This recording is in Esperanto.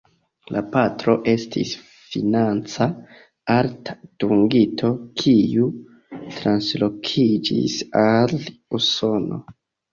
La patro estis financa alta dungito kiu translokiĝis al Usono.